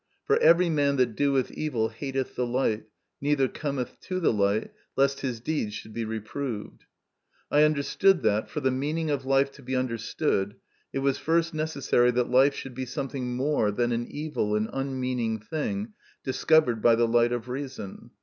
For every man that doeth evil hateth the light, neither cometh to the light, lest his deeds should be reproved." I under stood that, for the meaning of life to be understood, it was first necessary that life should be something more than an evil and unmeaning thing discovered by the light of reason.